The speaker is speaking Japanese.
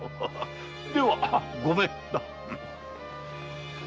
ではごめん。